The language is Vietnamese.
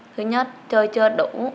thứ nhất chơi chưa đủ